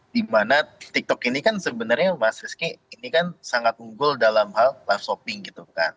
dimana tiktok ini kan sebenarnya mas rizky ini kan sangat unggul dalam hal live shopping gitu kan